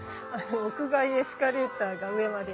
屋外エスカレーターが上まで。